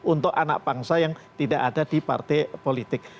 untuk anak bangsa yang tidak ada di partai politik